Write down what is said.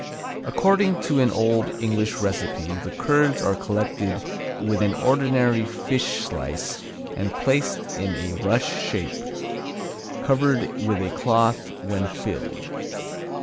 According to an old English recipe the curds are collected with an ordinary fish slice and placed in a rush shape, covered with a cloth when filled.